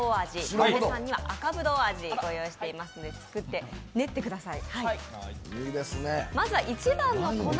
田辺さんには赤ぶどう味をご用意していますので、作ってみてください。